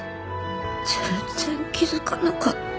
全然気づかなかった。